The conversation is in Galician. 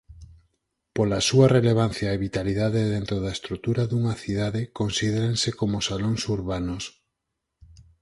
Pola súa relevancia e vitalidade dentro da estrutura dunha cidade considéranse como salóns urbanos.